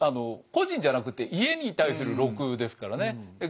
個人じゃなくて家に対する禄ですからね。